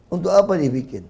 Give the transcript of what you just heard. untuk apa dibikin